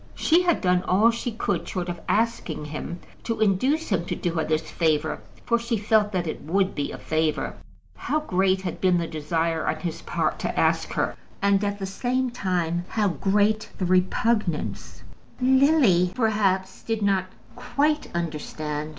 She had done all she could, short of asking him, to induce him to do her this favour; for she felt that it would be a favour. How great had been the desire on his part to ask her, and, at the same time, how great the repugnance, Lily, perhaps, did not quite understand.